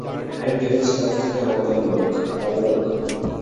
আমি ভেবেছিলাম তুমি আমাদের লোক, বালক।